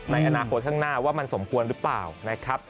ในอนาคตข้างหน้าว่ามันสมควรหรือเปล่านะครับ